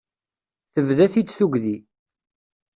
Tebda-t-id tugdi.